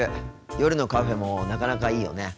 夜のカフェもなかなかいいよね。